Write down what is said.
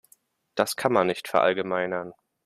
Das kann man nicht verallgemeinern.